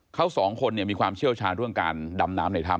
เขาสองคนมีความเชี่ยวชาญเรื่องการดำน้ำในถ้ำ